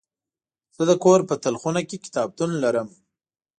زه د کور په تلخونه کې کتابتون لرم.